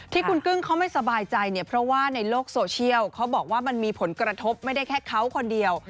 ที่คุณกึ้งเขาไม่สบายใจเนี่ยเพราะว่าในโลกโซเชียลเขาบอกว่ามันมีผลกระทบไม่ได้แค่เขาคนเดียว